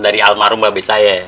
dari almarhum abis saya